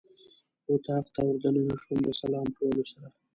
اتاق ته ور دننه شوم د سلام په ویلو سره.